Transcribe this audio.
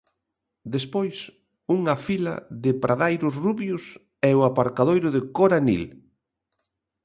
Despois, unha fila de pradairos rubios e o aparcadoiro de cor anil.